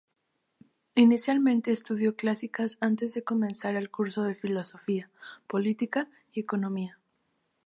Inicialmente estudió Clásicas antes de comenzar el Curso de Filosofía, Política y Economía.